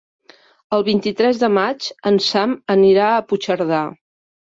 El vint-i-tres de maig en Sam anirà a Puigcerdà.